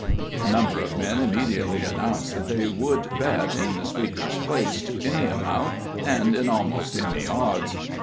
A number of men immediately announced that they would bet, in the speaker's place, to any amount, and in almost any odds.